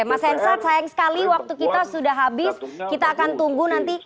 mas hensat sayang sekali waktu kita sudah habis kita akan tunggu nanti